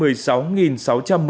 kỳ điều hành ngày hôm nay